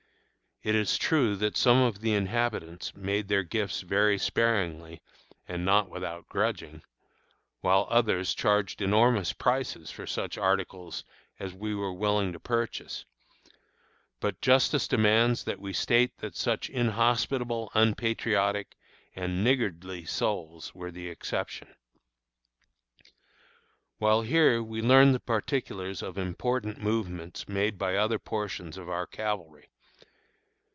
It is true that some of the inhabitants made their gifts very sparingly and not without grudging, while others charged enormous prices for such articles as we were willing to purchase; but justice demands that we state that such inhospitable, unpatriotic, and niggardly souls were the exception. While here we learned the particulars of important movements made by other portions of our cavalry.